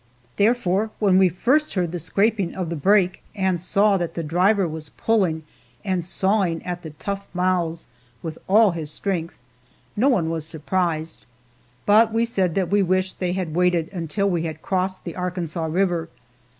Therefore, when we first heard the scraping of the brake, and saw that the driver was pulling and sawing at the tough mouths with all his strength, no one was surprised, but we said that we wished they had waited until after we had crossed the Arkansas River.